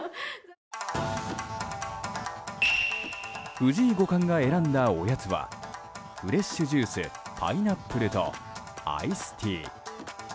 藤井五冠が選んだおやつはフレッシュジュースパイナップルとアイスティー。